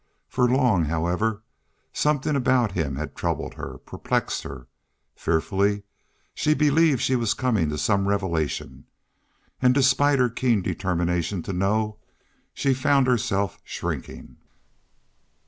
For long, however, something about him had troubled her, perplexed her. Fearfully she believed she was coming to some revelation, and, despite her keen determination to know, she found herself shrinking.